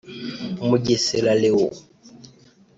Mugesera Léon